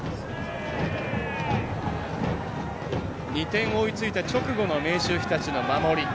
２点追いついた直後の明秀日立の守り。